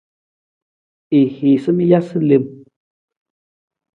I hiisa mi jasa lem.